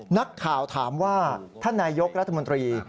นักข่าวถามว่าท่านนายกรัฐมนตรี